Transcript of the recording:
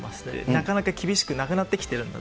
なかなか厳しくなくなってきているので。